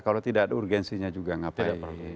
kalau tidak ada urgensinya juga ngapain